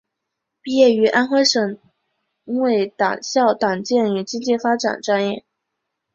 毕业于安徽省委党校党建与经济发展专业。